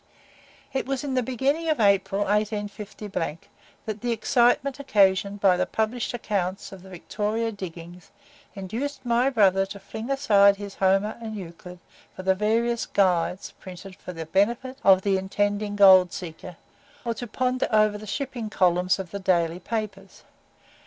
It was in the beginning of April, 185 , that the excitement occasioned by the published accounts of the Victoria "Diggings," induced my brother to fling aside his Homer and Euclid for the various "Guides" printed for the benefit of the intending gold seeker, or to ponder over the shipping columns of the daily papers.